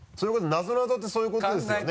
なぞなぞってそういうことですよね？